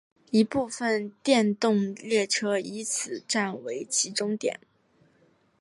一部分电动列车以此站为起终点。